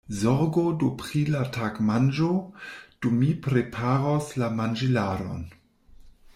Zorgu do pri la tagmanĝo, dum mi preparos la manĝilaron.